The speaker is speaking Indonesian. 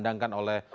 apa yang dikirimkan